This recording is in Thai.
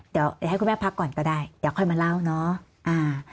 เดี๋ยวให้คุณแม่พักก่อนก็ได้เดี๋ยวค่อยมาเล่าเนาะ